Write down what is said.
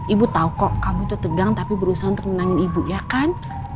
ibu tahu kok kamu tuh tegang tapi berusaha untuk menangin ibu ya kan